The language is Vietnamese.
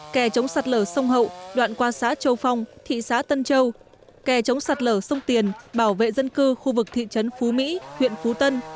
kè chống sạt lở sông hậu đoạn qua xã châu phong thị xã tân châu kè chống sạt lở sông tiền bảo vệ dân cư khu vực thị trấn phú mỹ huyện phú tân